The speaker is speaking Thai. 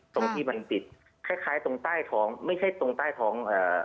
ตรงที่มันติดคล้ายคล้ายตรงใต้ท้องไม่ใช่ตรงใต้ท้องอ่า